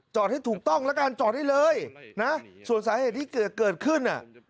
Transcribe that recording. ให้ถูกต้องแล้วกันจอดได้เลยนะส่วนสาเหตุที่เกิดขึ้นน่ะ